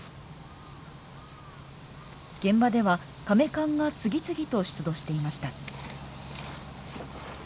現場ではかめ棺が次々と出土していました。